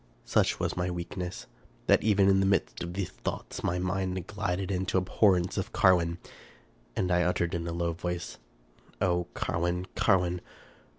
Such was my weakness, that even in the midst of these thoughts my mind glided into abhorrence of Carwin, and I uttered, in a low voice, " O Carwin ! Carwin